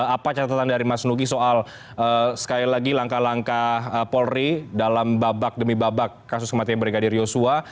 apa catatan dari mas nugi soal sekali lagi langkah langkah polri dalam babak demi babak kasus kematian brigadir yosua